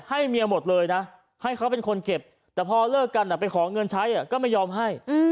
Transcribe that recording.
ให้เมียหมดเลยนะให้เขาเป็นคนเก็บแต่พอเลิกกันไปขอเงินใช้ก็ไม่ยอมให้